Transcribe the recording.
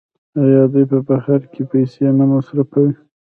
آیا دوی په بهر کې پیسې نه مصرفوي؟